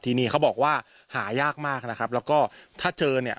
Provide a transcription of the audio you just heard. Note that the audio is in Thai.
ที่นี่เขาบอกว่าหายากมากนะครับแล้วก็ถ้าเจอเนี่ย